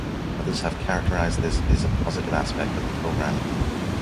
Others have characterized this is a positive aspect of the program.